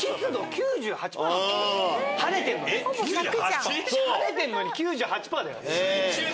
９８？晴れてんのに９８％だよ。